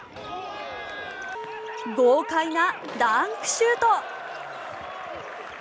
豪快なダンクシュート。